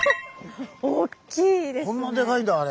おっきいですね。